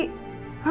hah sakit apa